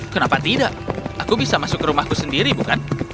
kenapa tidak aku bisa masuk ke rumahku sendiri bukan